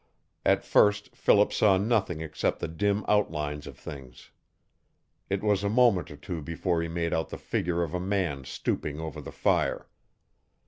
At first Philip saw nothing except the dim outlines of things. It was a moment or two before he made out the figure of a man stooping over the fire.